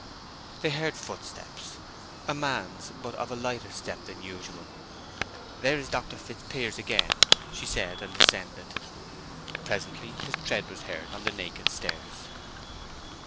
They heard footsteps—a man's, but of a lighter type than usual. "There is Doctor Fitzpiers again," she said, and descended. Presently his tread was heard on the naked stairs.